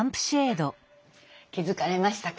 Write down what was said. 気付かれましたか？